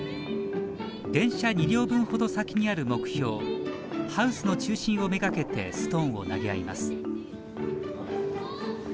電車２両分ほど先にある目標ハウスの中心を目がけてストーンを投げ合います